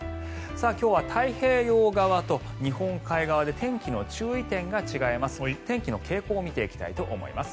今日は太平洋側と日本海側で天気の注意点が違います。